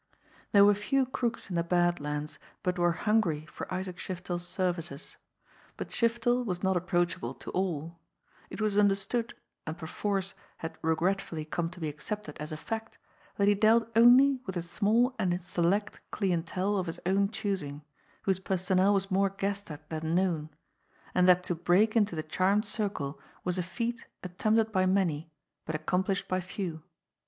There were few crooks in the Bad Lands but were hungry for Isaac Shiftel's services, but Shiftel was not approachable to all ; it was understood, and perforce had regretfully come to be accepted as a fact, that he dealt only with a small and select clientele of his own choosing, whose personnel was more guessed at than known; and that to break into the charmed circle was a feat attempted by many but accomplished by few.